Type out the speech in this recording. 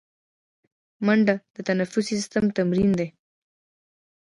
منډه د تنفسي سیستم تمرین دی